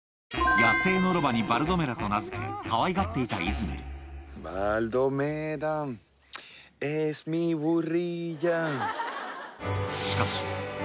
野生のロバにバルドメラと名付けかわいがっていたイズメル